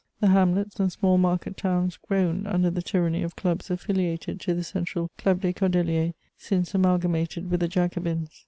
The hamlets and small market towns groaned under the tyranny of clubs affiliated to the central Club des Cordeliers, since amalgamated with the Jacobins.